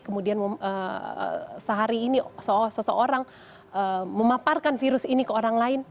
kemudian sehari ini seseorang memaparkan virus ini ke orang lain